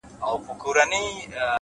وخت د هر څه ارزښت ښيي،